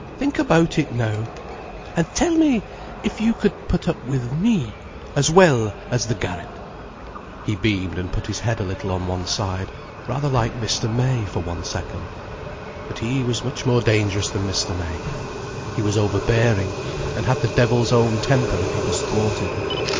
"Think about it now. And tell me if you could put up with me, as well as the garret." He beamed and put his head a little on one side—rather like Mr. May, for one second. But he was much more dangerous than Mr. May. He was overbearing, and had the devil's own temper if he was thwarted.